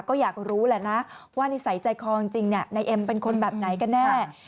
ก็อยากรู้แหละนะว่านิสัยใจคอจริงนายเอ็มเป็นคนแบบไหนกันแน่